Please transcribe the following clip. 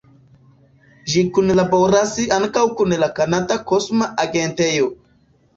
Ĝi kunlaboras ankaŭ kun la Kanada Kosma Agentejo.